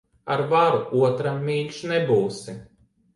Ar varu otram mīļš nebūsi.